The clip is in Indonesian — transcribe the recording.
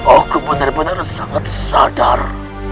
aku benar benar sangat sadar